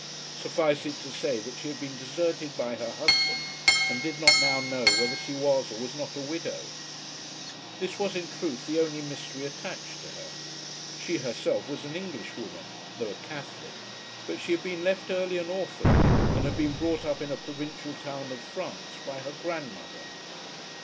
Suffice it to say that she had been deserted by her husband, and did not now know whether she was or was not a widow. This was in truth the only mystery attached to her. She herself was an Englishwoman, though a Catholic; but she had been left early an orphan, and had been brought up in a provincial town of France by her grandmother.